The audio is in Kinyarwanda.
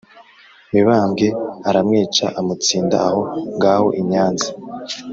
mibambwe aramwica, amutsinda aho ngaho i nyanza.